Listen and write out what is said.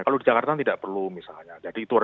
kalau di jakarta tidak perlu misalnya